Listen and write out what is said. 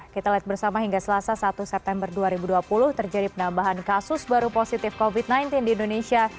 kita lihat bersama hingga selasa satu september dua ribu dua puluh terjadi penambahan kasus baru positif covid sembilan belas di indonesia